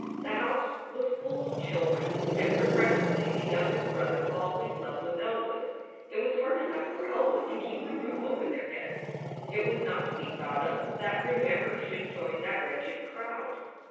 The house was full of children, and progressively the youngest brother al ways slept with Elwood. It was hard enough for Elwood to keep the roof over their heads. It was not to be thought of that Remember should join that wretched crowd.